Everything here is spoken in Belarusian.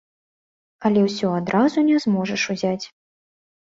Але ўсё адразу не зможаш узяць.